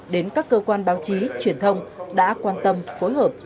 đến các cơ quan báo chí truyền thông đã quan tâm phối hợp